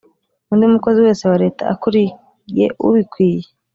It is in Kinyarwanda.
undi mukozi wese wa Leta akuriye ubikwiye